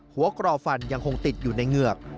กรอฟันยังคงติดอยู่ในเหงือก